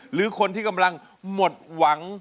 หรือคนที่กำลังหมดหวัง